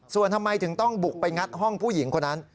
ส่วนทำไมถึงต้องบุกไปงัดห้องผู้หญิงคนนั้น